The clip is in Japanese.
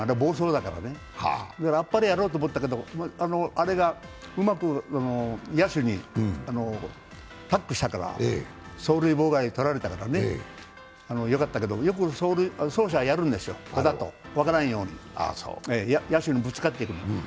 だからあっぱれやろうと思ったけど、あれがうまく野手にタックルしたから走塁妨害とられたからねよかったけど、よく走者はやるんですよ、わざと、分からんように、野手にぶつかっていく。